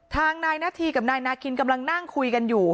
ทางนายนาธีกับนายนาคินกำลังนั่งคุยกันอยู่